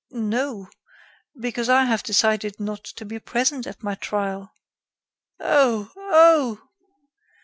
"No, because I have decided not to be present at my trial." "Oh! oh!"